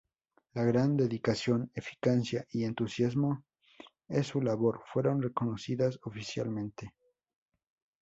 La "gran dedicación, eficacia y entusiasmo" en su labor, fueron reconocidas oficialmente.